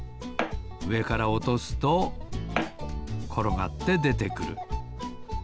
うえからおとすところがってでてくる。